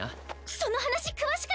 その話詳しく！